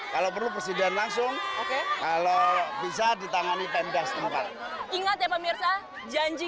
kalau perlu persediaan langsung oke kalau bisa ditangani pemda setempat ingat ya pemirsa janji